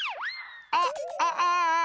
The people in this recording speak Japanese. あっあああ！